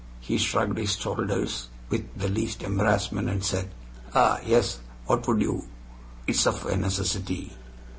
He shrugged his shoulders without the least embarrassment, and said: "Ah, yes. What would you? It is of a necessity."